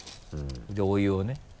でお湯をね。